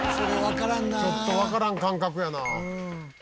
ちょっとわからん感覚やな。